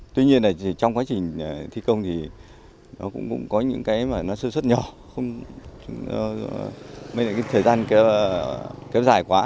tuy nhiên trong quá trình thi công thì nó cũng có những cái mà nó sơ xuất nhỏ mấy thời gian kéo dài quá